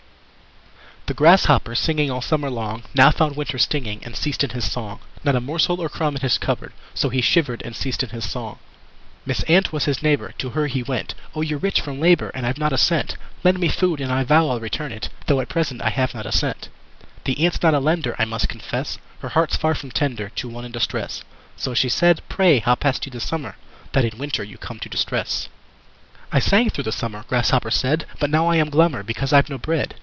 The Grasshopper, singing All summer long, Now found winter stinging, And ceased in his song. Not a morsel or crumb in his cupboard So he shivered, and ceased in his song. Miss Ant was his neighbor; To her he went: "O, you're rich from labor, And I've not a cent. Lend me food, and I vow I'll return it, Though at present I have not a cent." The Ant's not a lender, I must confess. Her heart's far from tender To one in distress. So she said: "Pray, how passed you the summer, That in winter you come to distress?" "I sang through the summer," Grasshopper said. "But now I am glummer Because I've no bread."